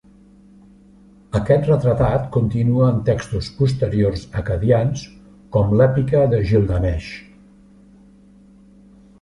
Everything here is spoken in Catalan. Aquest retratat continua en textos posteriors acadians com "L'èpica de Gilgamesh".